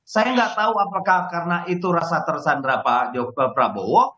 saya nggak tahu apakah karena itu rasa tersandra pak prabowo